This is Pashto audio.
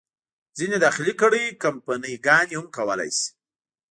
ځینې داخلي کړۍ، کمپني ګانې هم کولای شي.